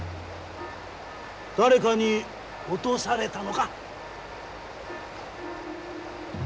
誰かに落とされたのか？